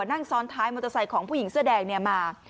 นั่งซ้อนท้ายมอเตอร์ไซค์ของผู้หญิงเสื้อแดงมา